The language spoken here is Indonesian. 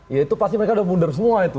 ya itu pasti mereka udah mundur semua itu